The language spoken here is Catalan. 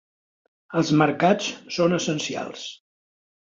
Els mercats són essencials.